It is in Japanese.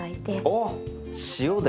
あっ塩で。